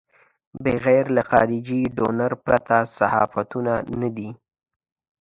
بغیر له خارجي ډونر پرته صحافتونه نه دي.